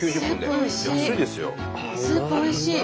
スープおいしい。